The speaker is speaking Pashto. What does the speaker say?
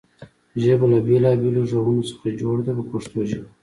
ژبه له بېلابېلو غږونو څخه جوړه ده په پښتو ژبه.